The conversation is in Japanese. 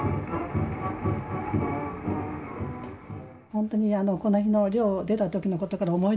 本当にこの日の寮を出た時のことから思い出します。